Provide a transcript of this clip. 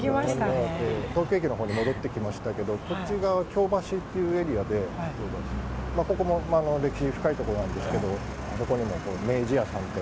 東京駅のほうに戻ってきましたけどこっち側は京橋というエリアでここも歴史深いところなんですけどあそこにも明治屋さんって。